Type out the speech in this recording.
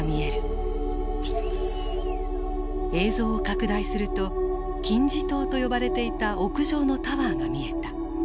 映像を拡大すると金字塔と呼ばれていた屋上のタワーが見えた。